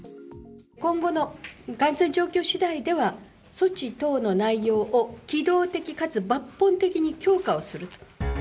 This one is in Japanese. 今後の感染状況しだいでは、措置等の内容を機動的かつ抜本的に強化をする。